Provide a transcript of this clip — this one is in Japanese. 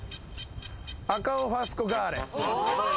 アカオファスコガーレ。